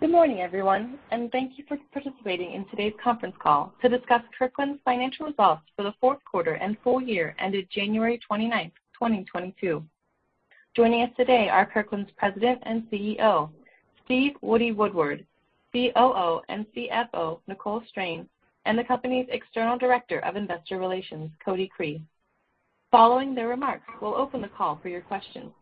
Good morning, everyone, and thank you for participating in today's conference call to discuss Kirkland's financial results for the fourth quarter and full-year ended January 29th, 2022. Joining us today are Kirkland's President and CEO, Steve Woodward, COO and CFO, Nicole Strain, and the company's External Director of Investor Relations, Cody Cree. Following their remarks, we'll open the call for your questions.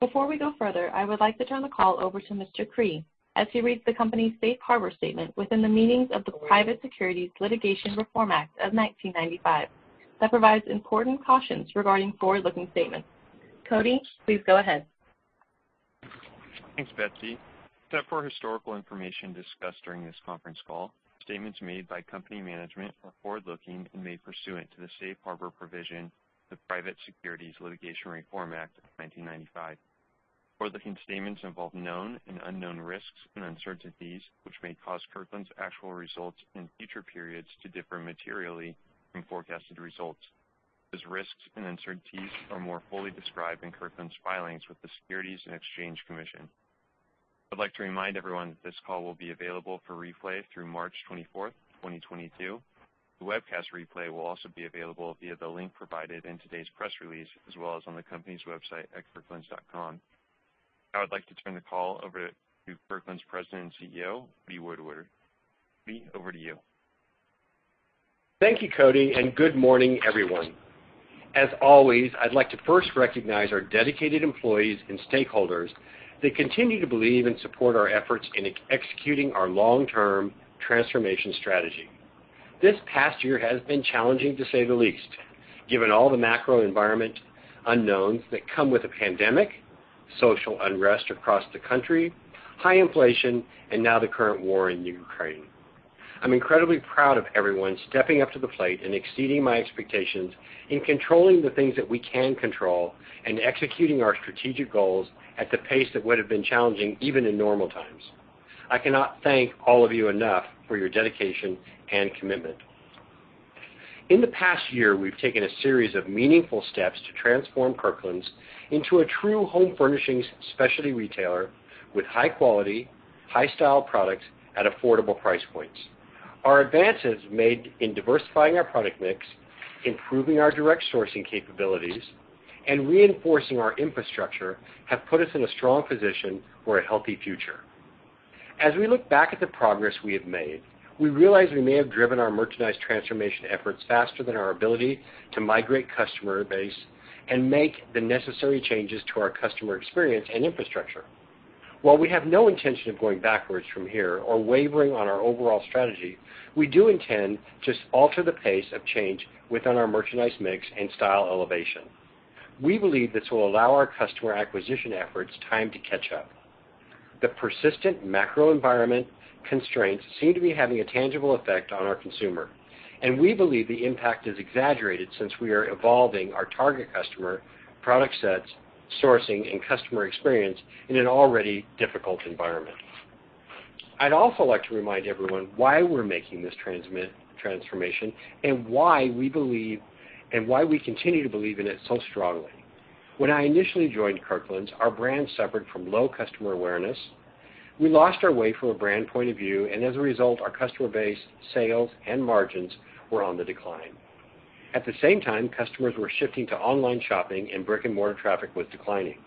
Before we go further, I would like to turn the call over to Mr. Cree as he reads the company's Safe Harbor statement within the meanings of the Private Securities Litigation Reform Act of 1995 that provides important cautions regarding forward-looking statements. Cody, please go ahead. Thanks, Betsy. Except for historical information discussed during this conference call, statements made by company management are forward-looking and made pursuant to the Safe Harbor provision of the Private Securities Litigation Reform Act of 1995. Forward-looking statements involve known and unknown risks and uncertainties, which may cause Kirkland's actual results in future periods to differ materially from forecasted results. Those risks and uncertainties are more fully described in Kirkland's filings with the Securities and Exchange Commission. I'd like to remind everyone this call will be available for replay through March 24th, 2022. The webcast replay will also be available via the link provided in today's press release, as well as on the company's website at kirklands.com. Now, I would like to turn the call over to Kirkland's President and CEO, Steve Woodward. Steve, over to you. Thank you, Cody, and good morning, everyone. As always, I'd like to first recognize our dedicated employees and stakeholders that continue to believe and support our efforts in executing our long-term transformation strategy. This past year has been challenging, to say the least, given all the macro environment unknowns that come with a pandemic, social unrest across the country, high inflation, and now the current war in Ukraine. I'm incredibly proud of everyone stepping up to the plate and exceeding my expectations in controlling the things that we can control and executing our strategic goals at the pace that would have been challenging even in normal times. I cannot thank all of you enough for your dedication and commitment. In the past year, we've taken a series of meaningful steps to transform Kirkland's into a true home furnishings specialty retailer with high quality, high style products at affordable price points. Our advances made in diversifying our product mix, improving our direct sourcing capabilities, and reinforcing our infrastructure have put us in a strong position for a healthy future. As we look back at the progress we have made, we realize we may have driven our merchandise transformation efforts faster than our ability to migrate customer base and make the necessary changes to our customer experience and infrastructure. While we have no intention of going backwards from here or wavering on our overall strategy, we do intend to alter the pace of change within our merchandise mix and style elevation. We believe this will allow our customer acquisition efforts time to catch up. The persistent macro environment constraints seem to be having a tangible effect on our consumer, and we believe the impact is exaggerated since we are evolving our target customer product sets, sourcing, and customer experience in an already difficult environment. I'd also like to remind everyone why we're making this transformation and why we believe, and why we continue to believe in it so strongly. When I initially joined Kirkland's, our brand suffered from low customer awareness. We lost our way from a brand point of view, and as a result, our customer base sales and margins were on the decline. At the same time, customers were shifting to online shopping and brick-and-mortar traffic was declining.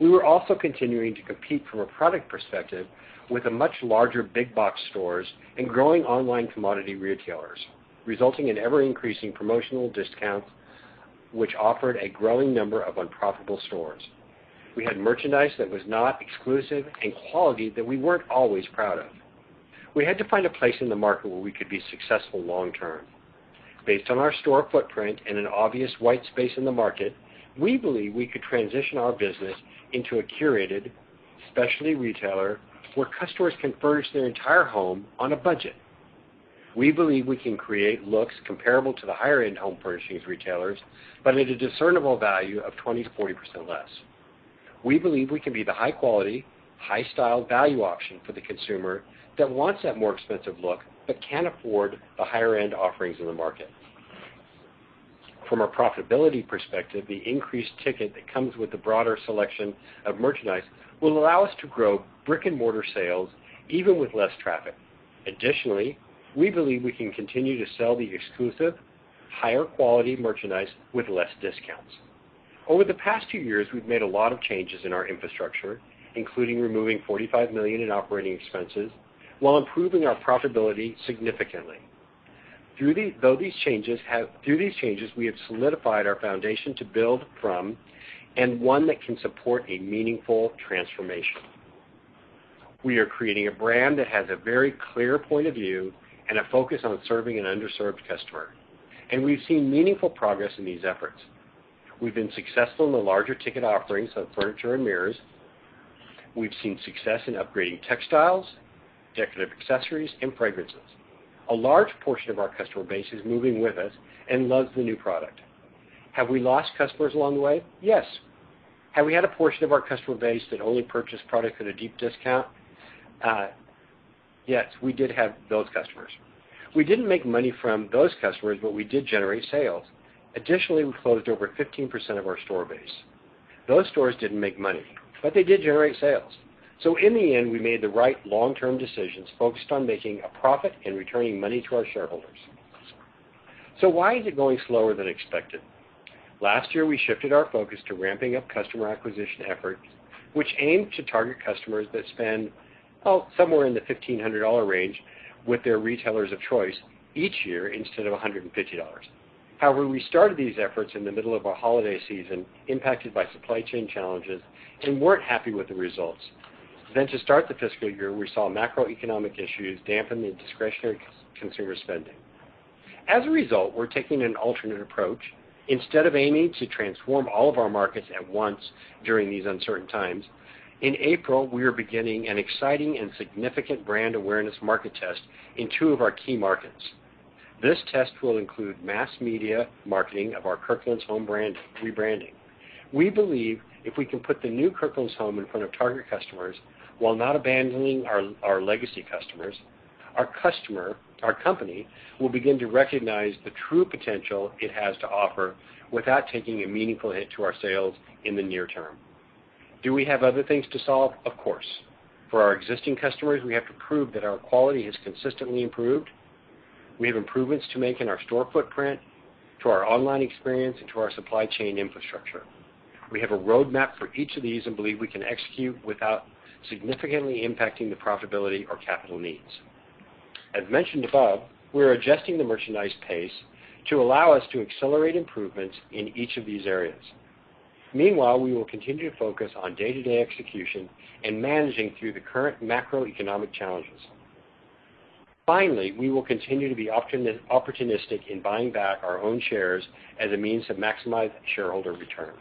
We were also continuing to compete from a product perspective with a much larger big box stores and growing online commodity retailers, resulting in ever-increasing promotional discounts, which offered a growing number of unprofitable stores. We had merchandise that was not exclusive and quality that we weren't always proud of. We had to find a place in the market where we could be successful long term. Based on our store footprint and an obvious white space in the market, we believe we could transition our business into a curated specialty retailer where customers can furnish their entire home on a budget. We believe we can create looks comparable to the higher-end home furnishings retailers, but at a discernible value of 20%-40% less. We believe we can be the high quality, high style value option for the consumer that wants that more expensive look but can't afford the higher-end offerings in the market. From a profitability perspective, the increased ticket that comes with the broader selection of merchandise will allow us to grow brick-and-mortar sales even with less traffic. Additionally, we believe we can continue to sell the exclusive higher quality merchandise with less discounts. Over the past two years, we've made a lot of changes in our infrastructure, including removing $45 million in operating expenses while improving our profitability significantly. Through these changes, we have solidified our foundation to build from and one that can support a meaningful transformation. We are creating a brand that has a very clear point of view and a focus on serving an underserved customer. We've seen meaningful progress in these efforts. We've been successful in the larger ticket offerings of furniture and mirrors. We've seen success in upgrading textiles, decorative accessories, and fragrances. A large portion of our customer base is moving with us and loves the new product. Have we lost customers along the way? Yes. Have we had a portion of our customer base that only purchased product at a deep discount? Yes, we did have those customers. We didn't make money from those customers, but we did generate sales. Additionally, we closed over 15% of our store base. Those stores didn't make money, but they did generate sales. In the end, we made the right long-term decisions focused on making a profit and returning money to our shareholders. Why is it going slower than expected? Last year, we shifted our focus to ramping up customer acquisition efforts, which aimed to target customers that spend somewhere in the $1,500 range with their retailers of choice each year instead of $150. However, we started these efforts in the middle of a holiday season impacted by supply chain challenges and weren't happy with the results. To start the fiscal year, we saw macroeconomic issues dampen the discretionary consumer spending. As a result, we're taking an alternate approach. Instead of aiming to transform all of our markets at once during these uncertain times, in April, we are beginning an exciting and significant brand awareness market test in two of our key markets. This test will include mass media marketing of our Kirkland's Home rebranding. We believe if we can put the new Kirkland's Home in front of target customers while not abandoning our legacy customers, our company will begin to recognize the true potential it has to offer without taking a meaningful hit to our sales in the near term. Do we have other things to solve? Of course. For our existing customers, we have to prove that our quality has consistently improved. We have improvements to make in our store footprint, to our online experience, and to our supply chain infrastructure. We have a roadmap for each of these and believe we can execute without significantly impacting the profitability or capital needs. As mentioned above, we're adjusting the merchandise pace to allow us to accelerate improvements in each of these areas. Meanwhile, we will continue to focus on day-to-day execution and managing through the current macroeconomic challenges. Finally, we will continue to be opportunistic in buying back our own shares as a means to maximize shareholder return.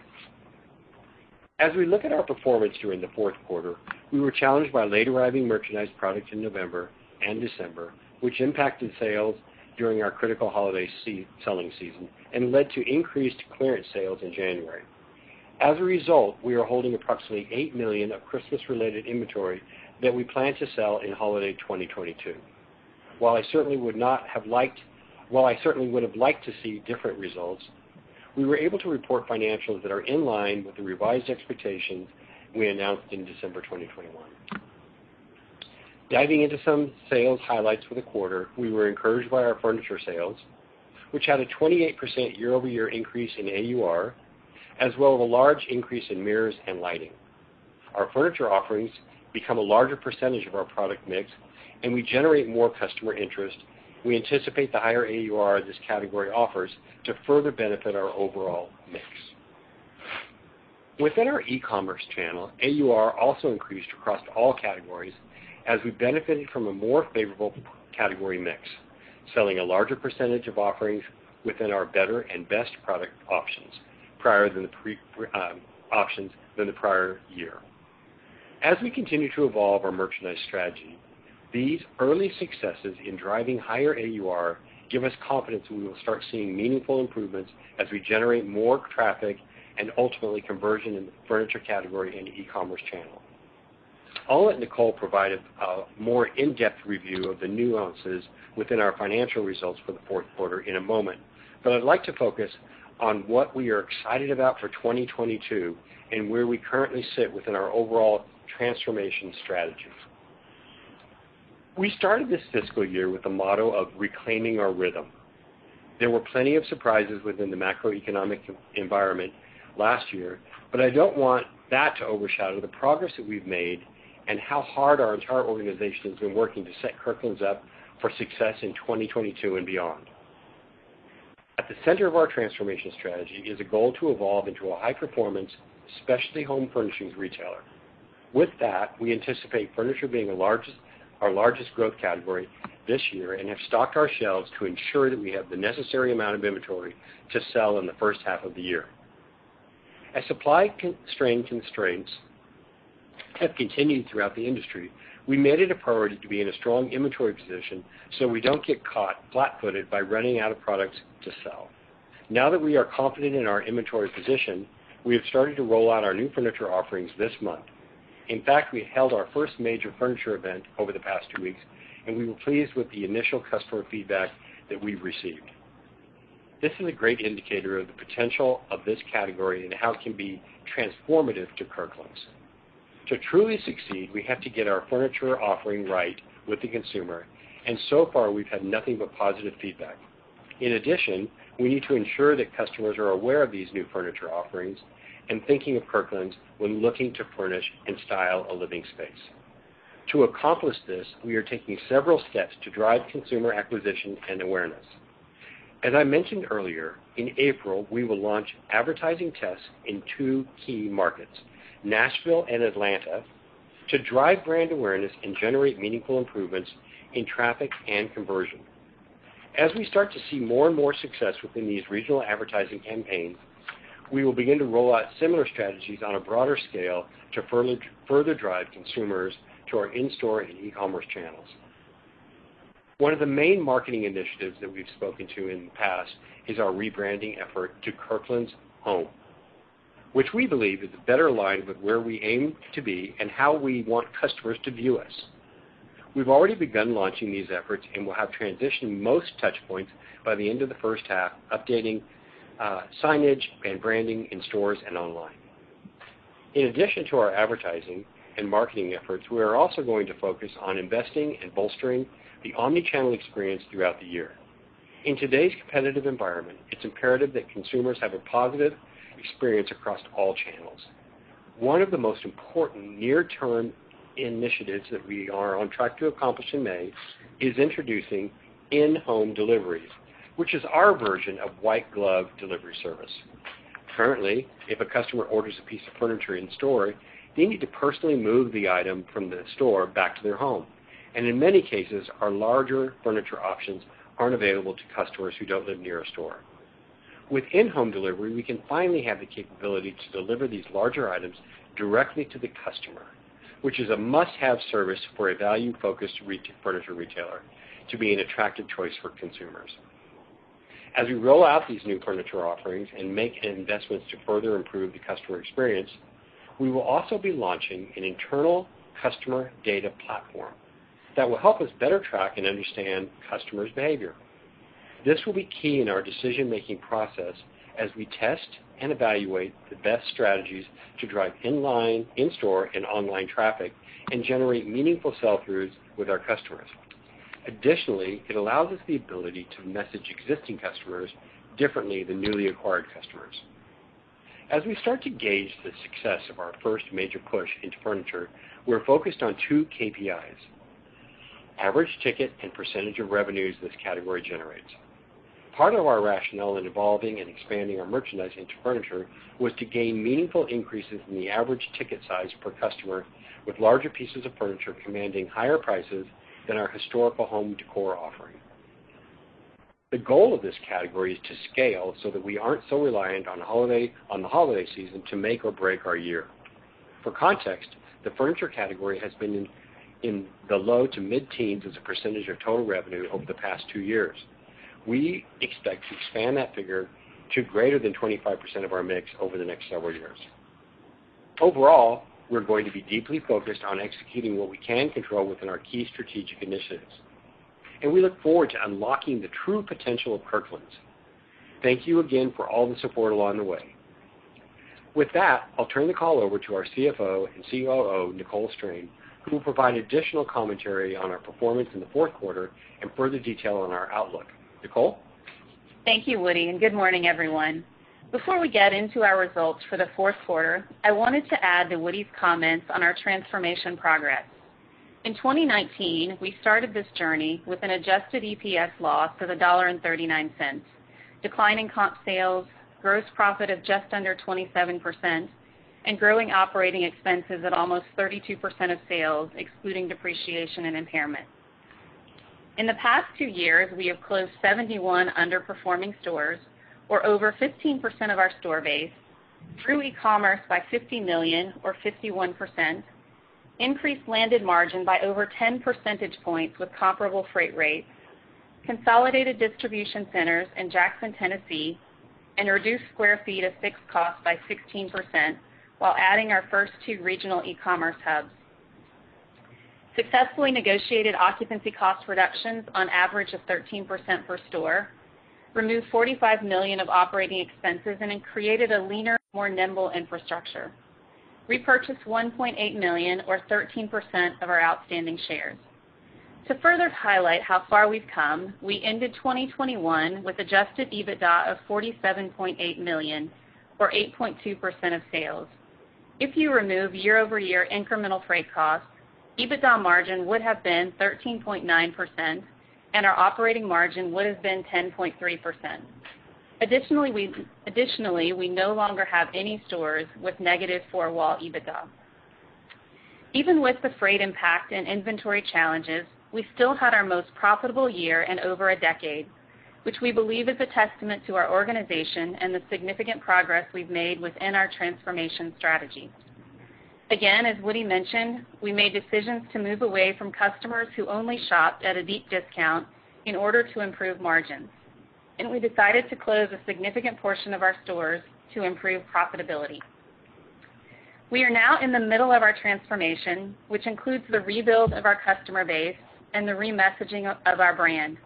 As we look at our performance during the fourth quarter, we were challenged by late-arriving merchandise products in November and December, which impacted sales during our critical holiday selling season and led to increased clearance sales in January. As a result, we are holding approximately eight million of Christmas-related inventory that we plan to sell in holiday 2022. While I certainly would have liked to see different results, we were able to report financials that are in line with the revised expectations we announced in December 2021. Diving into some sales highlights for the quarter, we were encouraged by our furniture sales, which had a 28% year-over-year increase in AUR, as well as a large increase in mirrors and lighting. Our furniture offerings become a larger percentage of our product mix, and we generate more customer interest. We anticipate the higher AUR this category offers to further benefit our overall mix. Within our e-commerce channel, AUR also increased across all categories as we benefited from a more favorable category mix, selling a larger percentage of offerings within our better and best product options than the prior year. As we continue to evolve our merchandise strategy, these early successes in driving higher AUR give us confidence we will start seeing meaningful improvements as we generate more traffic and ultimately conversion in the furniture category and e-commerce channel. I'll let Nicole provide a more in-depth review of the nuances within our financial results for the fourth quarter in a moment, but I'd like to focus on what we are excited about for 2022 and where we currently sit within our overall transformation strategy. We started this fiscal year with the motto of reclaiming our rhythm. There were plenty of surprises within the macroeconomic environment last year, but I don't want that to overshadow the progress that we've made and how hard our entire organization has been working to set Kirkland's up for success in 2022 and beyond. At the center of our transformation strategy is a goal to evolve into a high-performance, specialty home furnishings retailer. With that, we anticipate furniture being our largest growth category this year and have stocked our shelves to ensure that we have the necessary amount of inventory to sell in the first half of the year. As supply constraints have continued throughout the industry, we made it a priority to be in a strong inventory position so we don't get caught flat-footed by running out of products to sell. Now that we are confident in our inventory position, we have started to roll out our new furniture offerings this month. In fact, we held our first major furniture event over the past two weeks, and we were pleased with the initial customer feedback that we've received. This is a great indicator of the potential of this category and how it can be transformative to Kirkland's. To truly succeed, we have to get our furniture offering right with the consumer, and so far, we've had nothing but positive feedback. In addition, we need to ensure that customers are aware of these new furniture offerings and thinking of Kirkland's when looking to furnish and style a living space. To accomplish this, we are taking several steps to drive consumer acquisition and awareness. As I mentioned earlier, in April, we will launch advertising tests in two key markets, Nashville and Atlanta, to drive brand awareness and generate meaningful improvements in traffic and conversion. As we start to see more and more success within these regional advertising campaigns, we will begin to roll out similar strategies on a broader scale to further drive consumers to our in-store and e-commerce channels. One of the main marketing initiatives that we've spoken to in the past is our rebranding effort to Kirkland's Home, which we believe is better aligned with where we aim to be and how we want customers to view us. We've already begun launching these efforts, and we'll have transitioned most touch points by the end of the first half, updating signage and branding in stores and online. In addition to our advertising and marketing efforts, we are also going to focus on investing and bolstering the omni-channel experience throughout the year. In today's competitive environment, it's imperative that consumers have a positive experience across all channels. One of the most important near-term initiatives that we are on track to accomplish in May is introducing InHome deliveries, which is our version of white glove delivery service. Currently, if a customer orders a piece of furniture in store, they need to personally move the item from the store back to their home. In many cases, our larger furniture options aren't available to customers who don't live near a store. With InHome delivery, we can finally have the capability to deliver these larger items directly to the customer, which is a must-have service for a value-focused furniture retailer to be an attractive choice for consumers. As we roll out these new furniture offerings and make investments to further improve the customer experience, we will also be launching an internal customer data platform that will help us better track and understand customers behavior. This will be key in our decision-making process as we test and evaluate the best strategies to drive in-line, in-store, and online traffic and generate meaningful sell-throughs with our customers. Additionally, it allows us the ability to message existing customers differently than newly acquired customers. As we start to gauge the success of our first major push into furniture, we're focused on two KPIs, average ticket and percentage of revenues this category generates. Part of our rationale in evolving and expanding our merchandising to furniture was to gain meaningful increases in the average ticket size per customer, with larger pieces of furniture commanding higher prices than our historical home decor offering. The goal of this category is to scale so that we aren't so reliant on the holiday season to make or break our year. For context, the furniture category has been in the low to mid-teens percentage of total revenue over the past two years. We expect to expand that figure to greater than 25% of our mix over the next several years. Overall, we're going to be deeply focused on executing what we can control within our key strategic initiatives, and we look forward to unlocking the true potential of Kirkland's. Thank you again for all the support along the way. With that, I'll turn the call over to our CFO and COO, Nicole Strain, who will provide additional commentary on our performance in the fourth quarter and further detail on our outlook. Nicole? Thank you, Woody, and good morning, everyone. Before we get into our results for the fourth quarter, I wanted to add to Woody's comments on our transformation progress. In 2019, we started this journey with an adjusted EPS loss of $1.39, declining comp sales, gross profit of just under 27%, and growing operating expenses at almost 32% of sales, excluding depreciation and impairment. In the past two years, we have closed 71 underperforming stores, or over 15% of our store base, grew e-commerce by $50 million, or 51%, increased landed margin by over 10 percentage points with comparable freight rates, consolidated distribution centers in Jackson, Tennessee, and reduced square feet of fixed costs by 16% while adding our first two regional e-commerce hubs. Successfully negotiated occupancy cost reductions on average of 13% per store, removed $45 million of operating expenses and then created a leaner, more nimble infrastructure. Repurchased $1.8 million or 13% of our outstanding shares. To further highlight how far we've come, we ended 2021 with adjusted EBITDA of $47.8 million, or 8.2% of sales. If you remove year-over-year incremental freight costs, EBITDA margin would have been 13.9%, and our operating margin would have been 10.3%. Additionally, we no longer have any stores with negative four-wall EBITDA. Even with the freight impact and inventory challenges, we still had our most profitable year in over a decade, which we believe is a testament to our organization and the significant progress we've made within our transformation strategy. Again, as Woody mentioned, we made decisions to move away from customers who only shopped at a deep discount in order to improve margins, and we decided to close a significant portion of our stores to improve profitability. We are now in the middle of our transformation, which includes the rebuild of our customer base and the re-messaging of our brand.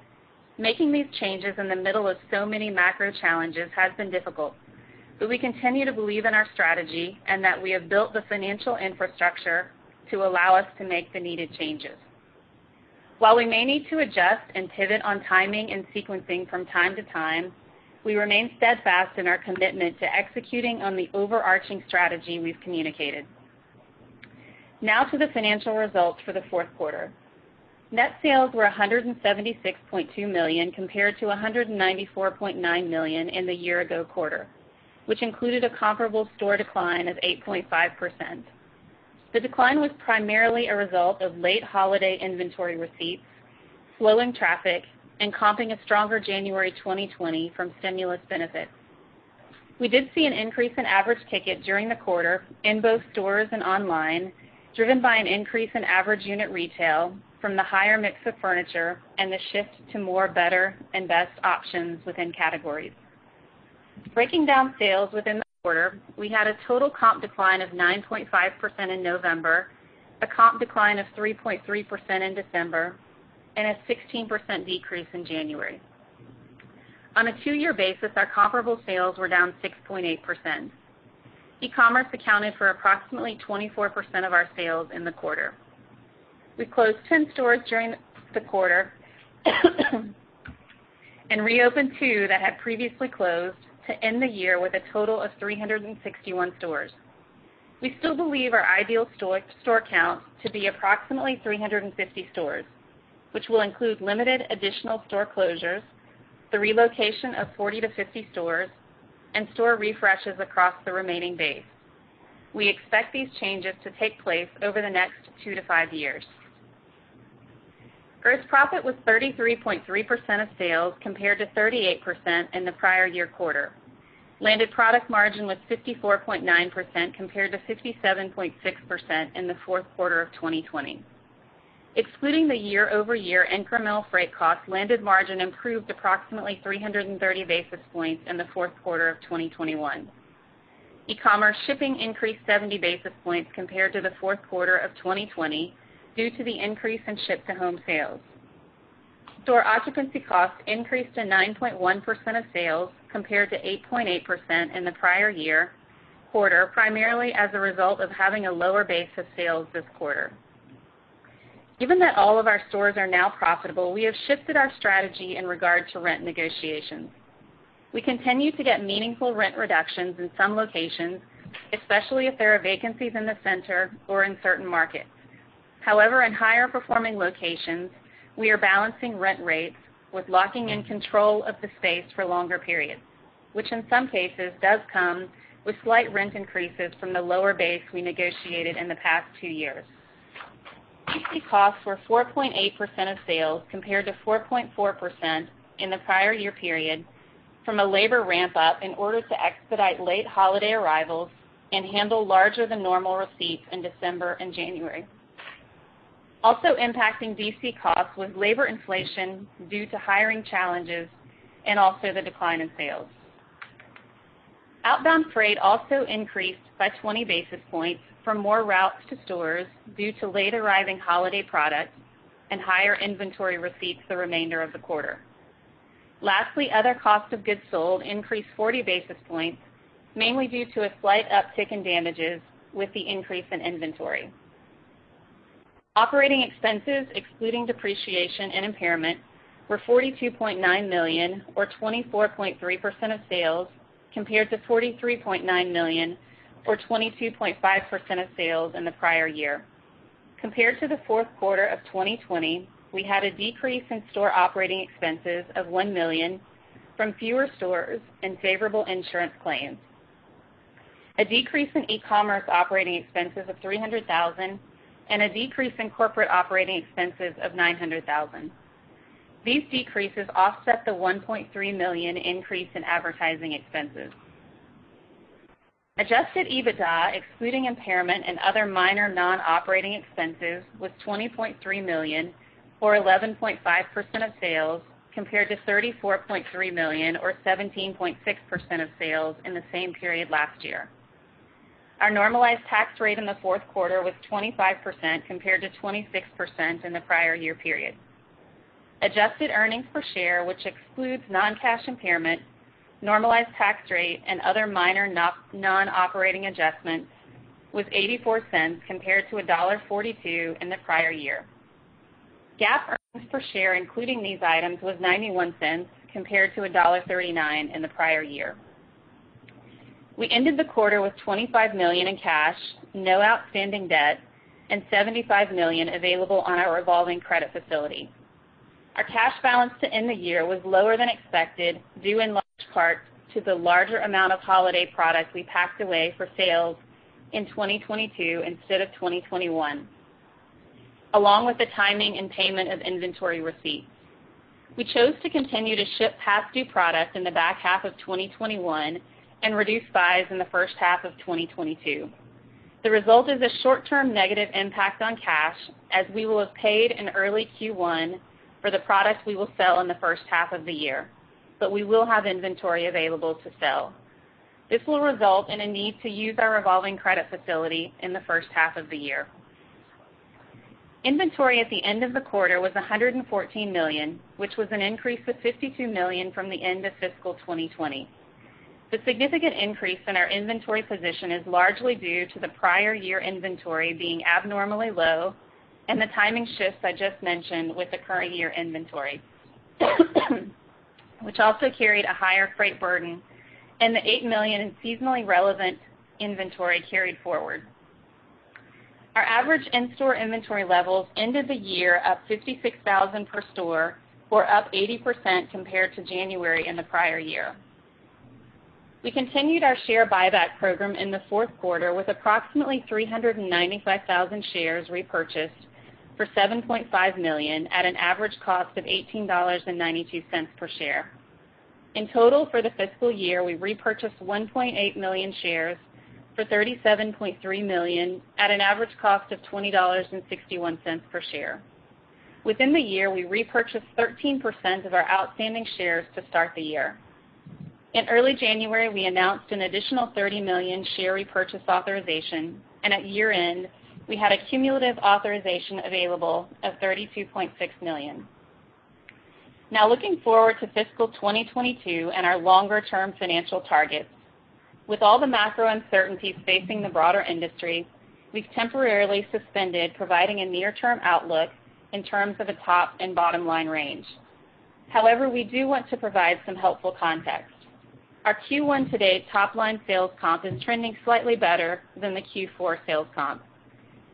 Making these changes in the middle of so many macro challenges has been difficult, but we continue to believe in our strategy and that we have built the financial infrastructure to allow us to make the needed changes. While we may need to adjust and pivot on timing and sequencing from time to time, we remain steadfast in our commitment to executing on the overarching strategy we've communicated. Now to the financial results for the fourth quarter. Net sales were $176.2 million, compared to $194.9 million in the year-ago quarter, which included a comparable store decline of 8.5%. The decline was primarily a result of late holiday inventory receipts, slowing traffic, and comping a stronger January 2020 from stimulus benefits. We did see an increase in average ticket during the quarter in both stores and online, driven by an increase in average unit retail from the higher mix of furniture and the shift to more better and best options within categories. Breaking down sales within the quarter, we had a total comp decline of 9.5% in November, a comp decline of 3.3% in December, and a 16% decrease in January. On a two-year basis, our comparable sales were down 6.8%. E-commerce accounted for approximately 24% of our sales in the quarter. We closed 10 stores during the quarter and reopened two that had previously closed to end the year with a total of 361 stores. We still believe our ideal store count to be approximately 350 stores, which will include limited additional store closures, the relocation of 40-50 stores, and store refreshes across the remaining base. We expect these changes to take place over the next 2-5 years. Gross profit was 33.3% of sales compared to 38% in the prior year quarter. Landed product margin was 54.9% compared to 57.6% in the fourth quarter of 2020. Excluding the year-over-year incremental freight costs, landed margin improved approximately 330 basis points in the fourth quarter of 2021. e-commerce shipping increased 70 basis points compared to the fourth quarter of 2020 due to the increase in ship-to-home sales. Store occupancy costs increased to 9.1% of sales compared to 8.8% in the prior year quarter, primarily as a result of having a lower base of sales this quarter. Given that all of our stores are now profitable, we have shifted our strategy in regard to rent negotiations. We continue to get meaningful rent reductions in some locations, especially if there are vacancies in the center or in certain markets. However, in higher performing locations, we are balancing rent rates with locking in control of the space for longer periods, which in some cases does come with slight rent increases from the lower base we negotiated in the past two years. DC costs were 4.8% of sales compared to 4.4% in the prior-year period from a labor ramp up in order to expedite late holiday arrivals and handle larger than normal receipts in December and January. Also impacting DC costs was labor inflation due to hiring challenges and also the decline in sales. Outbound freight also increased by 20 basis points from more routes to stores due to late arriving holiday products and higher inventory receipts the remainder of the quarter. Lastly, other cost of goods sold increased 40 basis points, mainly due to a slight uptick in damages with the increase in inventory. Operating expenses, excluding depreciation and impairment, were $42.9 million or 24.3% of sales, compared to $43.9 million or 22.5% of sales in the prior-year. Compared to the fourth quarter of 2020, we had a decrease in store operating expenses of $1 million from fewer stores and favorable insurance claims, a decrease in e-commerce operating expenses of $300,000 and a decrease in corporate operating expenses of $900,000. These decreases offset the $1.3 million increase in advertising expenses. Adjusted EBITDA, excluding impairment and other minor non-operating expenses, was $20.3 million or 11.5% of sales compared to $34.3 million or 17.6% of sales in the same period last year. Our normalized tax rate in the fourth quarter was 25% compared to 26% in the prior-year period. Adjusted earnings per share, which excludes non-cash impairment, normalized tax rate and other minor non-operating adjustments, was $0.84 compared to $1.42 in the prior year. GAAP earnings per share, including these items, was $0.91 compared to $1.39 in the prior year. We ended the quarter with $25 million in cash, no outstanding debt, and $75 million available on our revolving credit facility. Our cash balance to end the year was lower than expected, due in large part to the larger amount of holiday products we packed away for sales in 2022 instead of 2021, along with the timing and payment of inventory receipts. We chose to continue to ship past due products in the back half of 2021 and reduce buys in the first half of 2022. The result is a short-term negative impact on cash as we will have paid in early Q1 for the products we will sell in the first half of the year, but we will have inventory available to sell. This will result in a need to use our revolving credit facility in the first half of the year. Inventory at the end of the quarter was $114 million, which was an increase of $52 million from the end of fiscal 2020. The significant increase in our inventory position is largely due to the prior-year inventory being abnormally low and the timing shifts I just mentioned with the current year inventory, which also carried a higher freight burden and the $8 million in seasonally relevant inventory carried forward. Our average in-store inventory levels ended the year up 56,000 per store or up 80% compared to January in the prior year. We continued our share buyback program in the fourth quarter with approximately 395,000 shares repurchased for $7.5 million at an average cost of $18.92 per share. In total, for the fiscal year, we repurchased $1.8 million shares for $37.3 million at an average cost of $20.61 per share. Within the year, we repurchased 13% of our outstanding shares to start the year. In early January, we announced an additional $30 million share repurchase authorization, and at year-end, we had a cumulative authorization available of $32.6 million. Now looking forward to fiscal 2022 and our longer-term financial targets. With all the macro uncertainties facing the broader industry, we've temporarily suspended providing a near-term outlook in terms of a top and bottom-line range. However, we do want to provide some helpful context. Our Q1 to-date top-line sales comp is trending slightly better than the Q4 sales comp.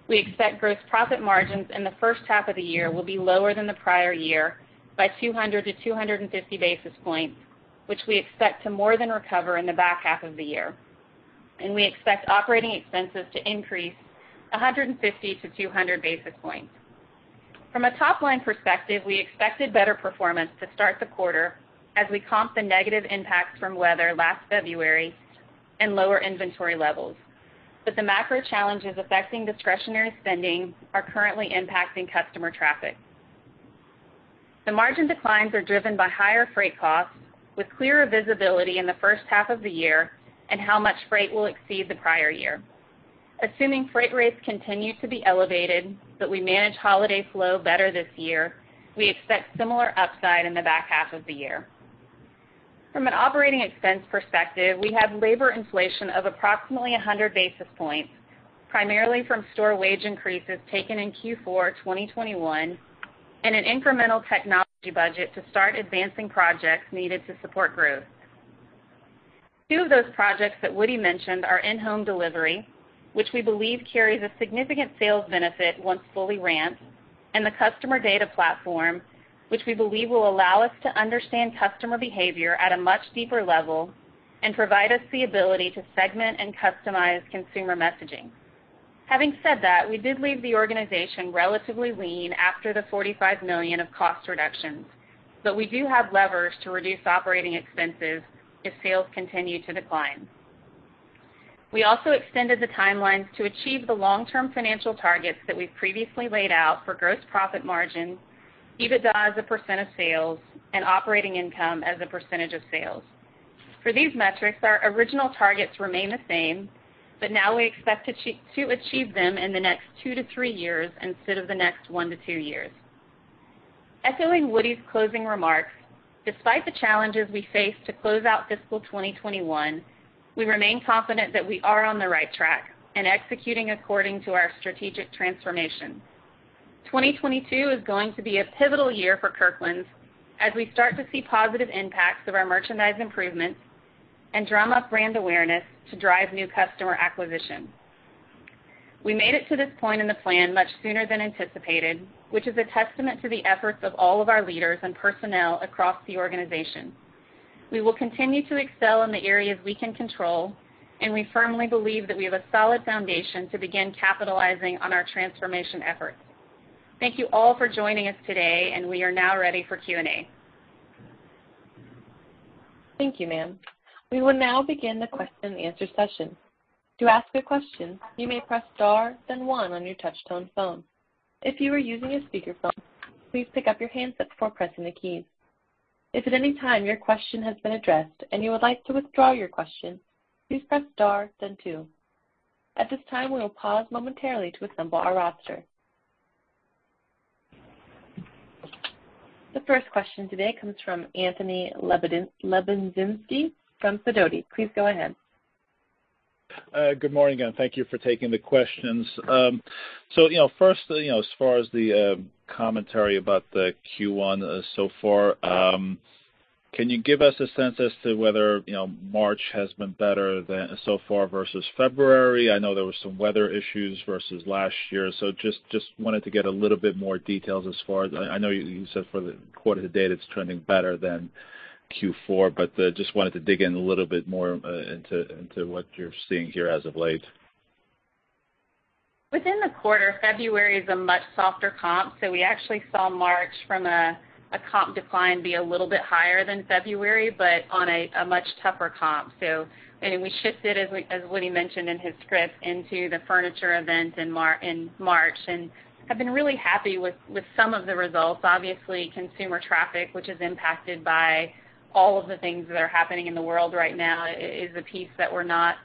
We expect gross profit margins in the first half of the year will be lower than the prior-year by 200-250 basis points, which we expect to more than recover in the back half of the year. We expect operating expenses to increase 150-200 basis points. From a top-line perspective, we expected better performance to start the quarter as we comp the negative impacts from weather last February and lower inventory levels. The macro challenges affecting discretionary spending are currently impacting customer traffic. The margin declines are driven by higher freight costs with clearer visibility in the first half of the year and how much freight will exceed the prior-year. Assuming freight rates continue to be elevated, but we manage holiday flow better this year, we expect similar upside in the back half of the year. From an operating expense perspective, we have labor inflation of approximately 100 basis points, primarily from store wage increases taken in Q4 2021 and an incremental technology budget to start advancing projects needed to support growth. Two of those projects that Woody mentioned are in-home delivery, which we believe carries a significant sales benefit once fully ramped, and the customer data platform, which we believe will allow us to understand customer behavior at a much deeper level and provide us the ability to segment and customize consumer messaging. Having said that, we did leave the organization relatively lean after the $45 million of cost reductions, but we do have levers to reduce operating expenses if sales continue to decline. We also extended the timelines to achieve the long-term financial targets that we've previously laid out for gross profit margin, EBITDA as a percentage of sales, and operating income as a percentage of sales. For these metrics, our original targets remain the same, but now we expect to achieve them in the next 2-3 years instead of the next 1-2 years. Echoing Woody's closing remarks, despite the challenges we face to close out fiscal 2021, we remain confident that we are on the right track and executing according to our strategic transformation. 2022 is going to be a pivotal year for Kirkland's as we start to see positive impacts of our merchandise improvements and drum up brand awareness to drive new customer acquisition. We made it to this point in the plan much sooner than anticipated, which is a testament to the efforts of all of our leaders and personnel across the organization. We will continue to excel in the areas we can control, and we firmly believe that we have a solid foundation to begin capitalizing on our transformation efforts. Thank you all for joining us today, and we are now ready for Q&A. Thank you, ma'am. We will now begin the question-and-answer session. To ask a question, you may press star, then one on your touch-tone phone. If you are using a speakerphone, please pick up your handset before pressing the keys. If at any time your question has been addressed and you would like to withdraw your question, please press star then two. At this time, we will pause momentarily to assemble our roster. The first question today comes from Anthony Lebiedzinski from Sidoti. Please go ahead. Good morning, and thank you for taking the questions. You know, first, you know, as far as the commentary about the Q1 so far, can you give us a sense as to whether, you know, March has been better than so far versus February? I know there were some weather issues versus last year, so just wanted to get a little bit more details as far as. I know you said for the quarter to date, it's trending better than Q4, but just wanted to dig in a little bit more into what you're seeing here as of late. Within the quarter, February is a much softer comp. We actually saw March from a comp decline be a little bit higher than February but on a much tougher comp. I mean, we shifted, as Woody mentioned in his script, into the furniture event in March and have been really happy with some of the results. Obviously, consumer traffic, which is impacted by all of the things that are happening in the world right now, is a piece that we're not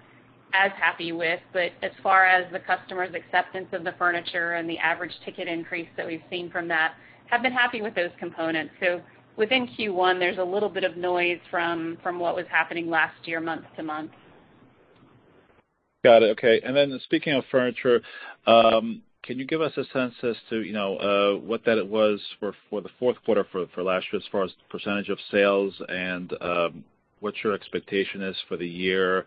as happy with. But as far as the customer's acceptance of the furniture and the average ticket increase that we've seen from that, have been happy with those components. Within Q1, there's a little bit of noise from what was happening last year month-to-month. Got it. Okay. Speaking of furniture, can you give us a sense as to, you know, what it was for the fourth quarter for last year as far as percentage of sales and what your expectation is for the year?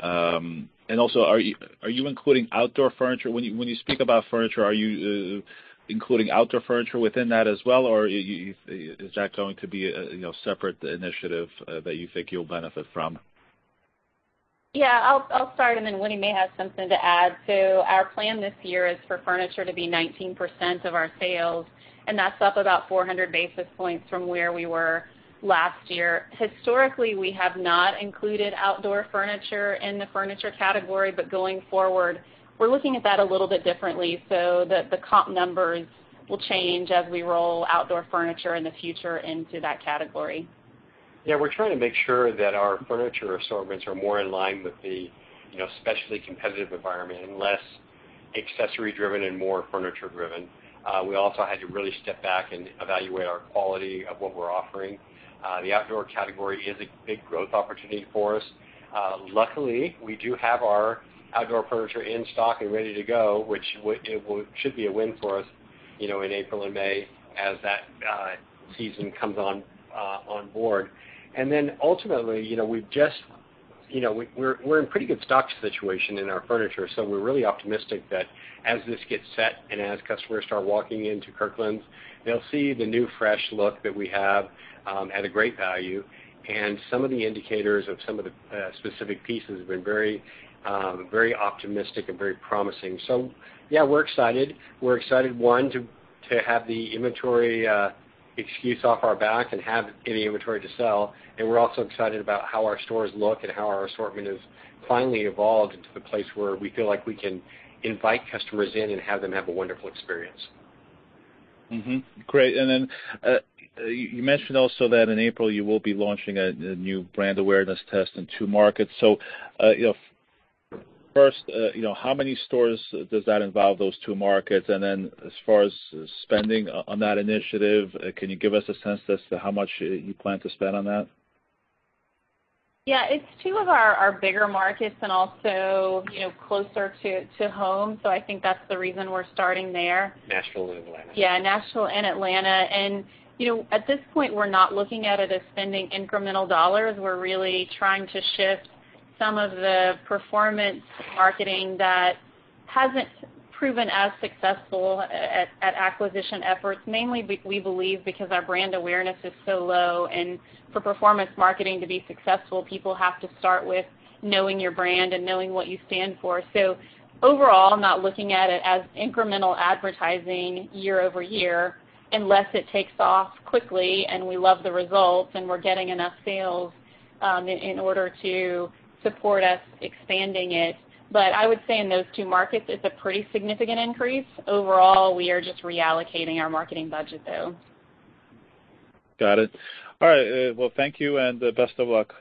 Also, are you including outdoor furniture? When you speak about furniture, are you including outdoor furniture within that as well? Or is that going to be a, you know, separate initiative that you think you'll benefit from? Yeah, I'll start, and then Woody may have something to add. Our plan this year is for furniture to be 19% of our sales, and that's up about 400 basis points from where we were last year. Historically, we have not included outdoor furniture in the furniture category, but going forward, we're looking at that a little bit differently so that the comp numbers will change as we roll outdoor furniture in the future into that category. Yeah, we're trying to make sure that our furniture assortments are more in line with the, you know, especially competitive environment and less accessory driven and more furniture driven. We also had to really step back and evaluate our quality of what we're offering. The outdoor category is a big growth opportunity for us. Luckily, we do have our outdoor furniture in stock and ready to go, which should be a win for us, you know, in April and May as that season comes on board. Then ultimately, you know, we've just, you know, we're in pretty good stock situation in our furniture, so we're really optimistic that as this gets set and as customers start walking into Kirkland's, they'll see the new fresh look that we have at a great value. Some of the indicators of some of the specific pieces have been very optimistic and very promising. Yeah, we're excited. We're excited to have the excess inventory off our back and have new inventory to sell. We're also excited about how our stores look and how our assortment has finally evolved into the place where we feel like we can invite customers in and have them have a wonderful experience. Mm-hmm. Great. You mentioned also that in April you will be launching a new brand awareness test in two markets. You know, first, you know, how many stores does that involve, those two markets? Then as far as spending on that initiative, can you give us a sense as to how much you plan to spend on that? Yeah, it's two of our bigger markets and also, you know, closer to home, so I think that's the reason we're starting there. Nashville and Atlanta. Yeah, Nashville and Atlanta. You know, at this point, we're not looking at it as spending incremental dollars. We're really trying to shift some of the performance marketing that hasn't proven as successful at acquisition efforts, mainly we believe because our brand awareness is so low. For performance marketing to be successful, people have to start with knowing your brand and knowing what you stand for. Overall, I'm not looking at it as incremental advertising year-over-year unless it takes off quickly and we love the results and we're getting enough sales in order to support us expanding it. I would say in those two markets, it's a pretty significant increase. Overall, we are just reallocating our marketing budget, though. Got it. All right. Well, thank you, and best of luck.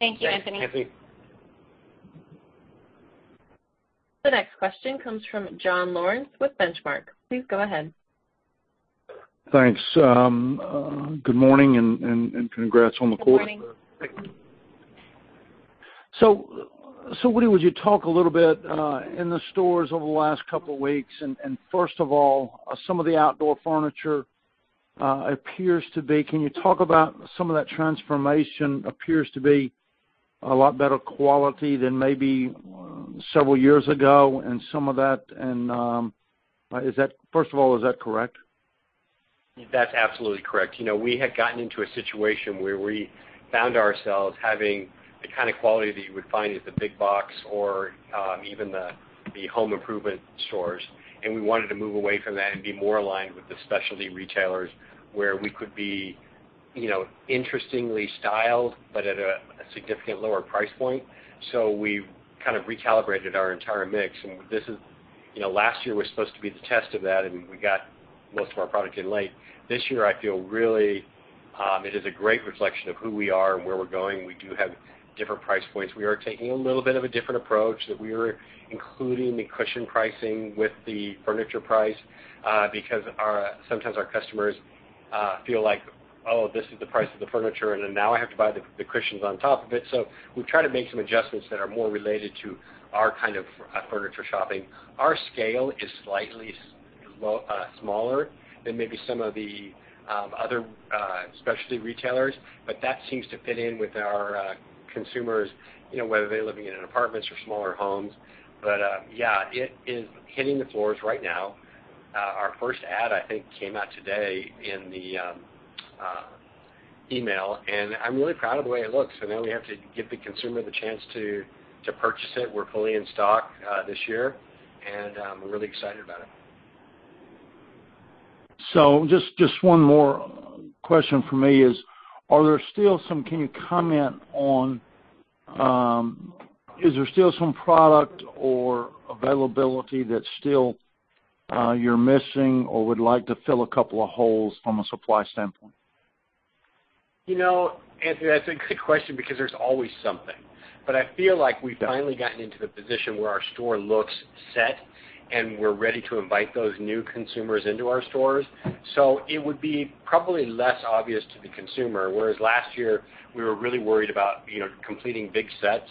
Thank you, Anthony. Thanks, Anthony. The next question comes from John Lawrence with Benchmark. Please go ahead. Thanks. Good morning and congrats on the quarter. Good morning. Thank you. Woody, would you talk a little bit in the stores over the last couple weeks, and first of all, some of the outdoor furniture. Can you talk about some of that transformation appears to be a lot better quality than maybe several years ago and some of that? First of all, is that correct? That's absolutely correct. You know, we had gotten into a situation where we found ourselves having the kind of quality that you would find at the big box or even the home improvement stores, and we wanted to move away from that and be more aligned with the specialty retailers where we could be, you know, interestingly styled but at a significant lower price point. We've kind of recalibrated our entire mix, and this is. You know, last year was supposed to be the test of that, and we got most of our product in late. This year, I feel really, it is a great reflection of who we are and where we're going. We do have different price points. We are taking a little bit of a different approach that we are including the cushion pricing with the furniture price, because sometimes our customers feel like, "Oh, this is the price of the furniture, and then now I have to buy the cushions on top of it." So we try to make some adjustments that are more related to our kind of furniture shopping. Our scale is slightly smaller than maybe some of the other specialty retailers, but that seems to fit in with our consumers, you know, whether they're living in apartments or smaller homes. But yeah, it is hitting the floors right now. Our first ad, I think, came out today in the email, and I'm really proud of the way it looks. Now we have to give the consumer the chance to purchase it. We're fully in stock this year, and we're really excited about it. Just one more question from me. Can you comment on: is there still some product or availability that still you're missing or would like to fill a couple of holes from a supply standpoint? You know, Anthony, that's a good question because there's always something. I feel like we've finally gotten into the position where our store looks set, and we're ready to invite those new consumers into our stores. It would be probably less obvious to the consumer, whereas last year, we were really worried about, you know, completing big sets.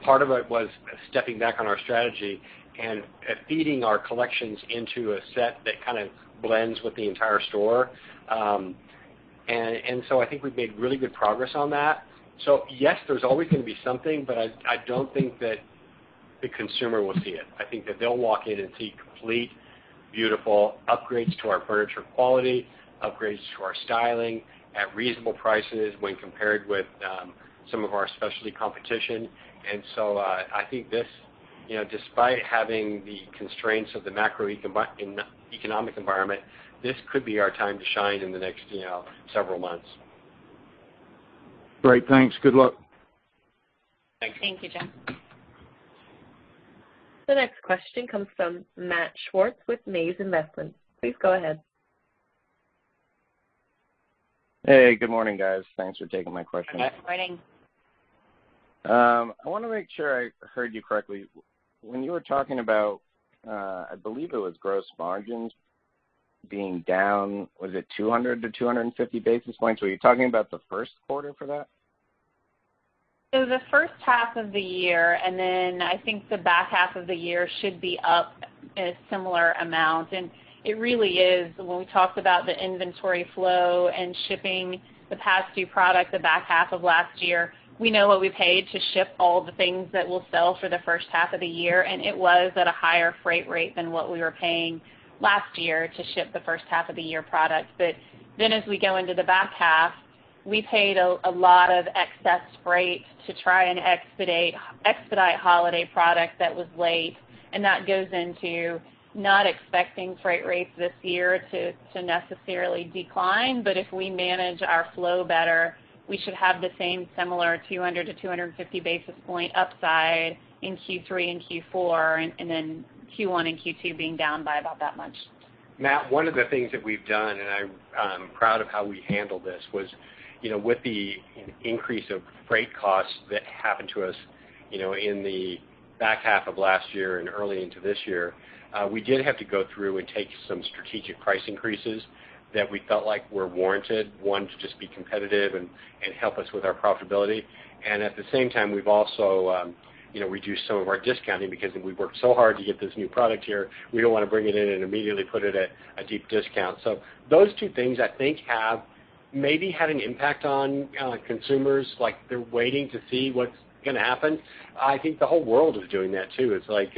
Part of it was stepping back on our strategy and feeding our collections into a set that kind of blends with the entire store. And so I think we've made really good progress on that. Yes, there's always gonna be something, but I don't think that the consumer will see it. I think that they'll walk in and see complete beautiful upgrades to our furniture quality, upgrades to our styling at reasonable prices when compared with some of our specialty competition. I think this, you know, despite having the constraints of the macroeconomic environment, this could be our time to shine in the next, you know, several months. Great. Thanks. Good luck. Thanks. Thank you, John. The next question comes from Matt Schwarz with MAZE Investment. Please go ahead. Hey, good morning, guys. Thanks for taking my question. Good morning. I wanna make sure I heard you correctly. When you were talking about, I believe it was gross margins being down, was it 200-250 basis points? Were you talking about the first quarter for that? The first half of the year, and then I think the back half of the year should be up a similar amount. It really is when we talked about the inventory flow and shipping the past due product the back half of last year, we know what we paid to ship all the things that we'll sell for the first half of the year, and it was at a higher freight rate than what we were paying last year to ship the first half of the year product. As we go into the back half, we paid a lot of excess freight to try and expedite holiday product that was late, and that goes into not expecting freight rates this year to necessarily decline. if we manage our flow better, we should have the same similar 200-250 basis point upside in Q3 and Q4, and then Q1 and Q2 being down by about that much. Matt, one of the things that we've done, and I'm proud of how we handled this, was, you know, with the increase of freight costs that happened to us, you know, in the back half of last year and early into this year, we did have to go through and take some strategic price increases that we felt like were warranted, one, to just be competitive and help us with our profitability. At the same time, we've also, you know, reduced some of our discounting because we worked so hard to get this new product here. We don't wanna bring it in and immediately put it at a deep discount. Those two things, I think, have maybe had an impact on consumers, like they're waiting to see what's gonna happen. I think the whole world is doing that, too. It's like,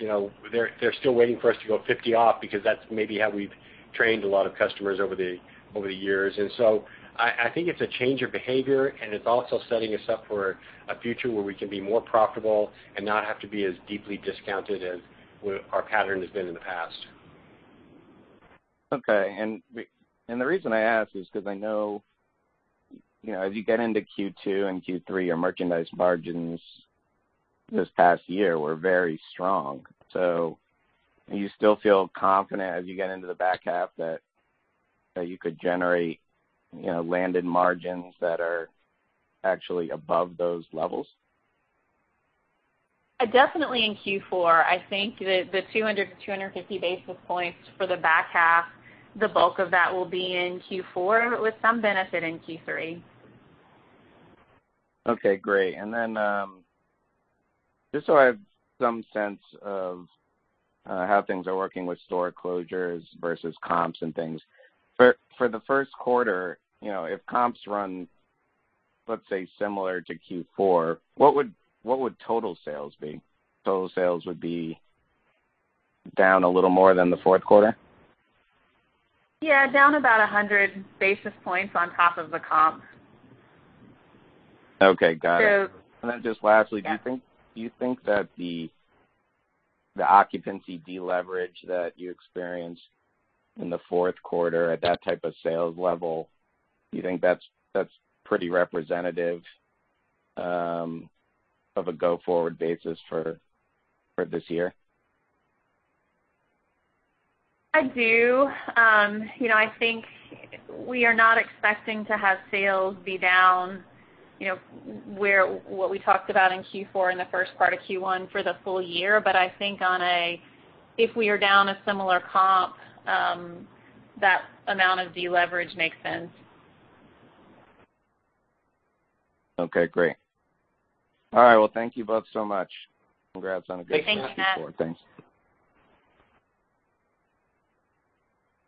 you know, they're still waiting for us to go 50 off because that's maybe how we've trained a lot of customers over the years. I think it's a change of behavior, and it's also setting us up for a future where we can be more profitable and not have to be as deeply discounted as our pattern has been in the past. Okay, the reason I ask is 'cause I know, you know, as you get into Q2 and Q3, your merchandise margins this past year were very strong. Do you still feel confident as you get into the back half that you could generate, you know, landed margins that are actually above those levels? Definitely in Q4. I think the 200-250 basis points for the back half, the bulk of that will be in Q4, with some benefit in Q3. Okay, great. Just so I have some sense of how things are working with store closures versus comps and things. For the first quarter, you know, if comps run, let's say, similar to Q4, what would total sales be? Total sales would be down a little more than the fourth quarter? Yeah, down about 100 basis points on top of the comps. Okay, got it. So. Just lastly. Yeah. Do you think that the occupancy deleverage that you experienced in the fourth quarter at that type of sales level, do you think that's pretty representative of a go forward basis for this year? I do. You know, I think we are not expecting to have sales be down, you know, where what we talked about in Q4 in the first part of Q1 for the full year. I think if we are down a similar comp, that amount of deleverage makes sense. Okay, great. All right, well thank you both so much. Congrats on a good Q4. Thanks, Matt. Thanks.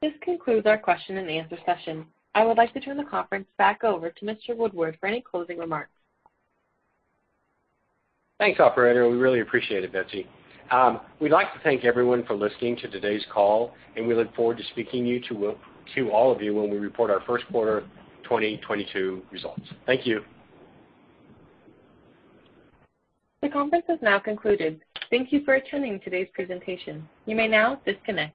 This concludes our question-and-answer session. I would like to turn the conference back over to Mr. Woodward for any closing remarks. Thanks, operator. We really appreciate it, Betsy. We'd like to thank everyone for listening to today's call, and we look forward to speaking to all of you when we report our first quarter 2022 results. Thank you. The conference has now concluded. Thank you for attending today's presentation. You may now disconnect.